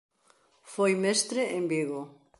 Foi mestre en Vigo.